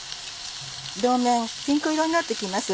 両面ピンク色になって来ます。